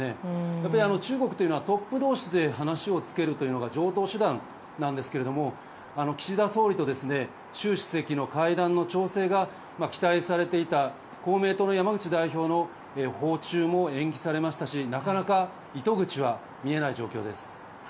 やっぱり中国はトップ同士で話をつけるというのが常套手段なんですけれども岸田総理と習主席の会談の調整が期待されていた公明党の山口代表の訪中も延期されましたしなかなか糸口は見えない状況です。